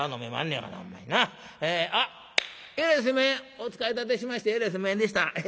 お使い立てしましてえらいすいまへんでした。